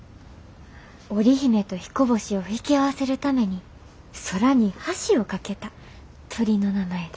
織姫とひこ星を引き合わせるために空に橋を架けた鳥の名前です。